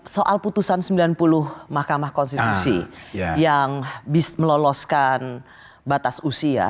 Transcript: soal putusan sembilan puluh mahkamah konstitusi yang meloloskan batas usia